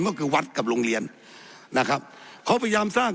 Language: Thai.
ก็คือวัดกับโรงเรียนนะครับเขาพยายามสร้าง